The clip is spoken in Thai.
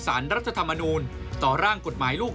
รัฐธรรมนูลต่อร่างกฎหมายลูก